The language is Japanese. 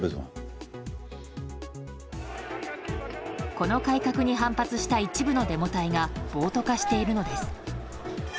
この改革に反発した一部のデモ隊が暴徒化しているのです。